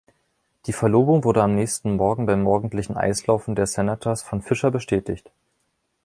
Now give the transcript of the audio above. Die Verlobung wurde am nächsten Morgen beim morgendlichen Eislaufen der Senators von Fisher bestätigt.